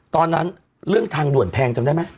ตอนนั้นเรื่องทางด่วนแพงจำได้ไหม